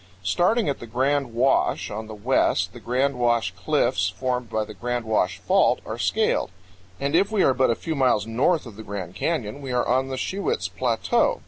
Starting at the Grand Wash on the west, the Grand Wash Cliffs, formed by the Grand Wash Fault, are scaled; and if we are but a few miles north of the Grand Canyon we are on the Shiwits Plateau.